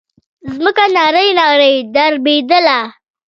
ځمکه نرۍ نرۍ دربېدله.